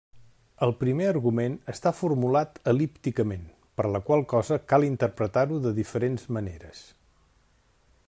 El primer argument està formulat el·lípticament, per la qual cosa cal interpretar-ho de diferents maneres.